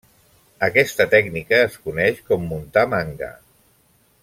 Aquesta tècnica es coneix com muntar Manga.